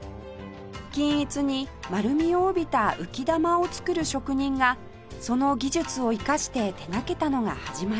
均一に丸みを帯びた浮玉を作る職人がその技術を生かして手がけたのが始まり